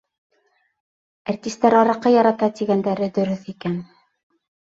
Әртистәр араҡы ярата тигәндәре дөрөҫ икән.